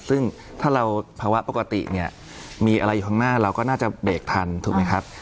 ซึ่งถ้าเราภาวะปกติเนี่ยมีอะไรอยู่ข้างหน้าเราก็น่าจะเบรกทันถูกไหมครับ